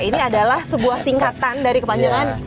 ini adalah sebuah singkatan dari kepanjangan